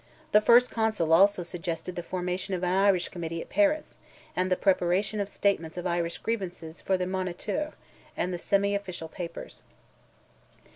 The First Consul also suggested the formation of an Irish Committee at Paris, and the preparation of statements of Irish grievances for the Moniteur, and the semi official papers.